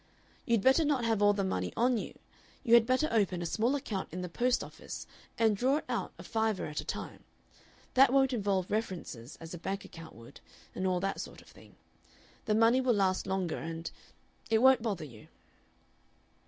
You'd better not have all the money on you; you had better open a small account in the post office and draw it out a fiver at a time. That won't involve references, as a bank account would and all that sort of thing. The money will last longer, and it won't bother you."